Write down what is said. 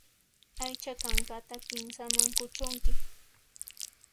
Aycha kankata kinsaman kuchunki.